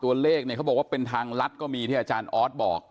ตัวเลขเนี่ยเขาบอกว่าเป็นทางลัดก็มีที่อาจารย์ออสบอก